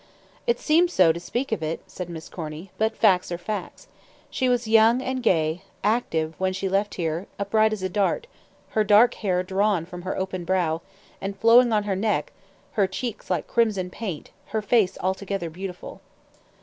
"It seems so, to speak of it," said Miss Corny; "but facts are facts. She was young and gay, active, when she left here, upright as a dart, her dark hair drawn from her open brow, and flowing on her neck, her cheeks like crimson paint, her face altogether beautiful.